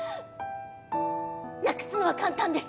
なくすのは簡単です。